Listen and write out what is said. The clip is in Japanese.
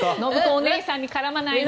おねいさんに絡まないの。